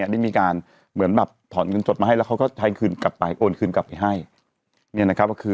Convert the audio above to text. ได้มีการถอนเงินจดให้และเค้าก็ใช้คืนกลับไปนะคะ